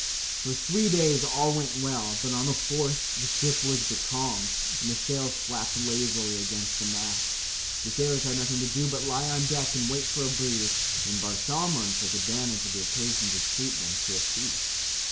For three days all went well, but on the fourth the ship was becalmed and the sails flapped lazily against the masts. The sailors had nothing to do but lie on deck and wait for a breeze, and Bar Shalmon took advantage of the occasion to treat them to a feast.